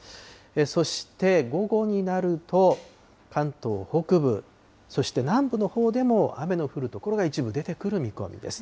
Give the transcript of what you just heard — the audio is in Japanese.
そして午後になると関東北部、そして南部のほうでも雨の降る所が一部出てくる見込みです。